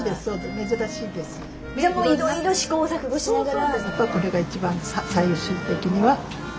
でもいろいろ試行錯誤しながら。